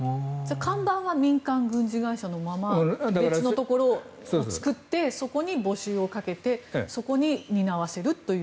看板は民間軍事会社のまま別のところを作ってそこに募集をかけてそこに担わせるという。